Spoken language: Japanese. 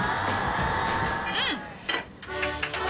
うん！